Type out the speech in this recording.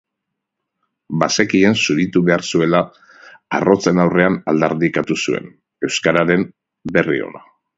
Bazekien zuritu behar zuela arrotzen aurrean aldarrikatu zuen euskararen berri ona.